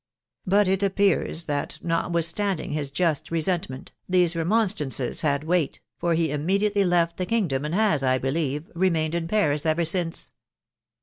But it appears that, notwithstanding bis just resentment, these remonstrances had weight ; for he immediately left the kingdom, and has, I believe, remained in Paris ever since.